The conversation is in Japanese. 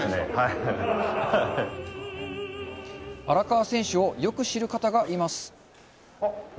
荒川選手をよく知る方がいます。